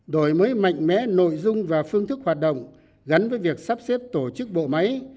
đổi mới mạnh mẽ nội dung và phương thức hoạt động gắn với việc sắp xếp tổ chức bộ máy